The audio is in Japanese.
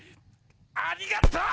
ありがとう！